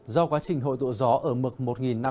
do quá trình hội tụ gió ở mực một năm trăm linh m